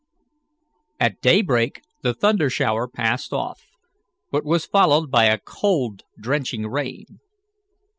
At daybreak the thunder shower passed off, but was followed by a cold, drenching rain.